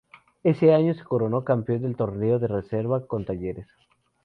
Ese año se coronó campeón del Torneo de Reserva con Talleres.